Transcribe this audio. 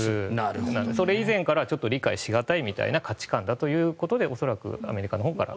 それ以前からはちょっと理解し難いみたいな価値観だということで恐らくアメリカのほうから。